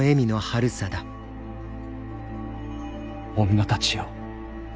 女たちよ。